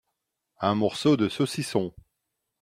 Un morceau de saucisson.